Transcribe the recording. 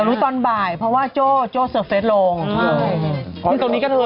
เรารู้ตอนบ่ายเพราะว่าโจ้โจ้เสอร์เฟสลง